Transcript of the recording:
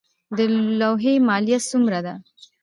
د لوحې مالیه څومره ده؟